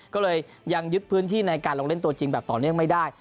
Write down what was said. ก็เลยยังยึดพื้นที่ในการลงเล่นตัวจริงแบบต่อเนื่องไม่ได้